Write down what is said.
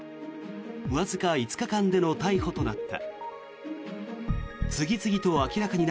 わずか５日間での逮捕となった。